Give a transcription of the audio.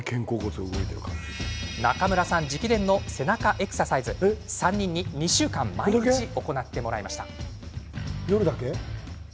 中村さん直伝の背中エクササイズ３人に２週間毎日、行ってもらいました。